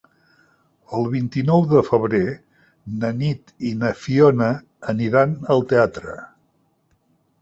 El vint-i-nou de febrer na Nit i na Fiona aniran al teatre.